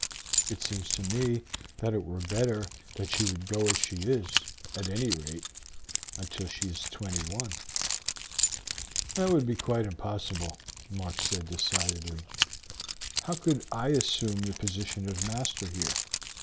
It seems to me that it were better that she would go as she is, at any rate, until she is twenty one." "That would be quite impossible," Mark said decidedly. "How could I assume the position of master here?